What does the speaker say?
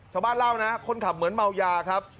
ชาวบ้านเล่านะคนขับเหมือนเมายาครับ